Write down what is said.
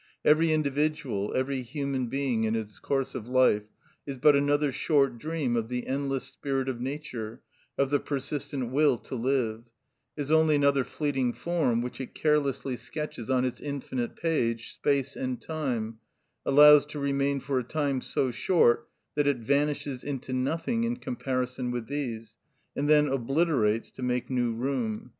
Every individual, every human being and his course of life, is but another short dream of the endless spirit of nature, of the persistent will to live; is only another fleeting form, which it carelessly sketches on its infinite page, space and time; allows to remain for a time so short that it vanishes into nothing in comparison with these, and then obliterates to make new room.